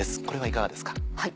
これはいかがですか？